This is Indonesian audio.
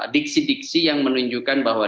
diksi diksi yang menunjukkan bahwa